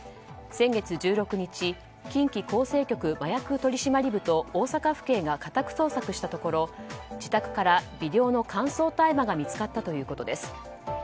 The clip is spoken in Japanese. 先月１６日近畿厚生局麻薬取締部と大阪府警が家宅捜索したところ自宅から微量の乾燥大麻が見つかったということです。